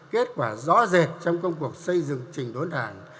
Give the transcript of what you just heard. kết quả rõ rệt trong công cuộc xây dựng trình đốn đảng